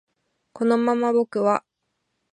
このまま僕は